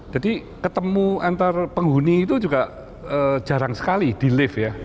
jadi ketemu antar penghuni itu juga jarang sekali di lift ya